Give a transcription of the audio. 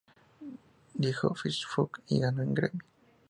Dijo 'fist fuck' y ganó un Grammy.